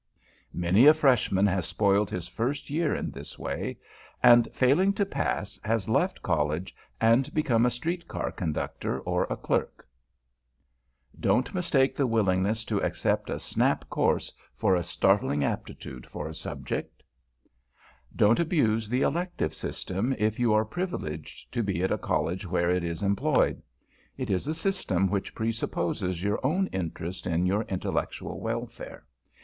Many a Freshman has spoiled his first year in this way; and, failing to pass, has left College and become a street car conductor or a clerk. [Sidenote: "SNAP" COURSES] Don't mistake the willingness to accept a "snap" course for a startling aptitude for a subject. [Sidenote: ELECTIVE SYSTEM] Don't abuse the Elective System if you are privileged to be at a College where it is employed. It is a system which presupposes your own interest in your intellectual welfare.